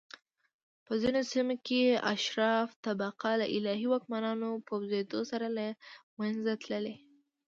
په ځینو سیمو کې اشراف طبقه له الهي واکمنانو پرځېدو سره له منځه تللي